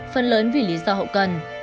phần lớn vì lý do hậu cần